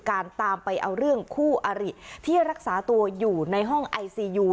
ตามไปเอาเรื่องคู่อริที่รักษาตัวอยู่ในห้องไอซียู